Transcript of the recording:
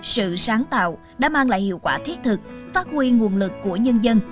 sự sáng tạo đã mang lại hiệu quả thiết thực phát huy nguồn lực của nhân dân